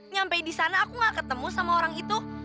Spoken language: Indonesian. nyampe disana aku gak ketemu sama orang itu